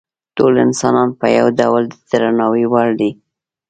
ټول انسانان په یو ډول د درناوي وړ دي.